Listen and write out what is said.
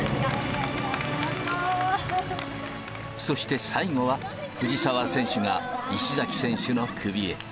そして最後は、藤澤選手が石崎選手の首へ。